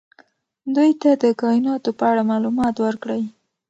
دوی ته د کائناتو په اړه معلومات ورکړئ.